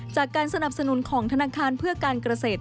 จากการสนับสนุนของธนาคารเพื่อการเกษตร